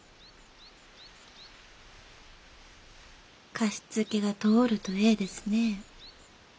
貸し付けが通るとええですねえ。